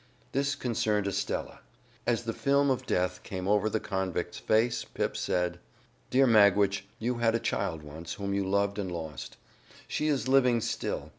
This concerned Estella. As the film of death came over the convict's face Pip said: "Dear Magwitch, you had a child once, whom you loved and lost. She is living still.